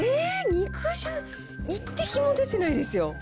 肉汁、一滴も出てないですよ。